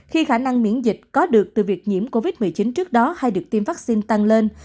khi khả năng miễn dịch có được từ việc nhiễm covid một mươi chín trước đó hay được tiêm vaccine tăng lên